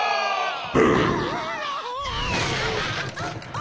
あ！